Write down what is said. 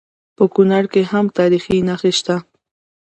په کونړ کې هم تاریخي نښې شته